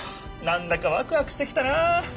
なんだかワクワクしてきたな。